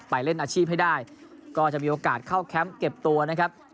เล่นอาชีพให้ได้ก็จะมีโอกาสเข้าแคมป์เก็บตัวนะครับ